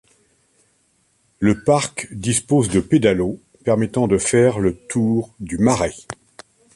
Le parc dispose de pédalos permettant de faire le tour du marais.